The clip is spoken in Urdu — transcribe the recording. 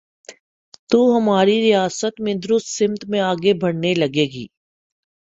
تو ہماری ریاست بھی درست سمت میں آگے بڑھنے لگے گی۔